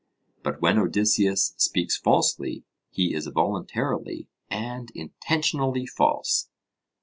But when Odysseus speaks falsely he is voluntarily and intentionally false.